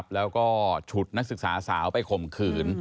แล้วก็ฉุดนักศึกษาสาวไปข่มขืน